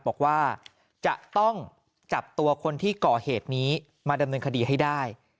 บอกว่าจะต้องจับตัวคนที่ก่อเหตุนี้มาดำเนินคดีให้ได้